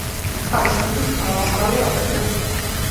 ხარობს ფინიკის პალმა, ლეღვი, აკაცია და სხვა.